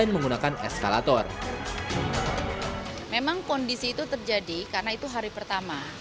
memang kondisi itu terjadi karena itu hari pertama